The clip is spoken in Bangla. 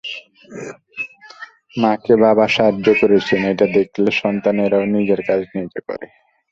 মাকে বাবা সাহায্য করছেন এটি দেখলে সন্তানেরাও নিজের কাজ নিজে করে।